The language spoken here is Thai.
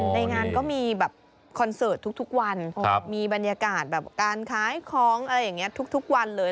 ในงานก็มีแบบคอนเสิร์ตทุกวันมีบรรยากาศแบบการขายของอะไรอย่างนี้ทุกวันเลย